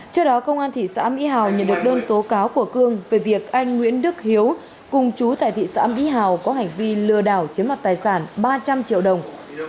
trước đó công an thị xã mỹ hào nhận được đơn tố cáo của cương về việc anh nguyễn đức hiếu cùng chú tại thị xã mỹ hào có hành vi lừa đảo chiếm mặt tài sản ba trăm linh triệu đồng